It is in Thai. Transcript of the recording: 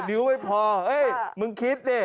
นิ้วไม่พอเฮ้ยมึงคิดดิ